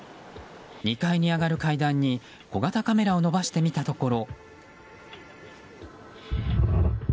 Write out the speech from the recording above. ２階に上がる階段に小型カメラを延ばしてみたところ。